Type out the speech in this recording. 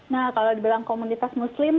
nah kalau dibilang komunitas muslim